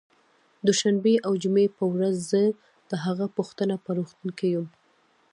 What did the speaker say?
دوشنبې او جمعې په ورځ زه د هغه پوښتنه په روغتون کې کوم